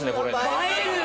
映えるね！